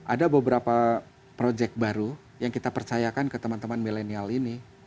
ada beberapa project baru yang kita percayakan ke teman teman milenial ini